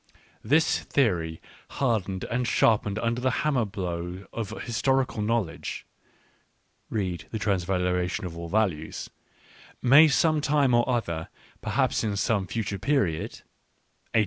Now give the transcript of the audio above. This theory, hardened and sharpened under the hammer blow of historical knowledge "(read The Transvaluation of all Values), " may some time or other, perhaps in some future period, — 1890!